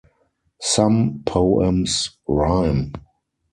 Some poems rhyme.